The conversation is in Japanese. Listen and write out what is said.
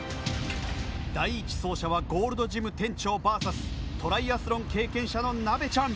第１走者はゴールドジム店長ＶＳトライアスロン経験者のなべちゃん。